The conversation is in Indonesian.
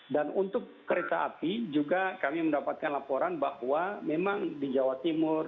dan untuk kereta api juga kami mendapatkan laporan bahwa memang di jawa timur